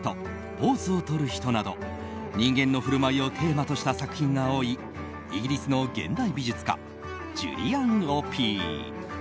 「ポーズをとる人」など人間のふるまいをテーマとした作品が多いイギリスの現代美術家ジュリアン・オピー。